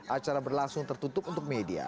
acara berlangsung tertutup untuk media